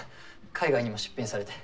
海外にも出品されて。